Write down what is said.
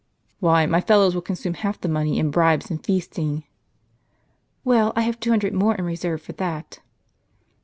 Why, my fellows will consume half the money, in bribes and feasting." "Well, I have two hundred more in reserve for that."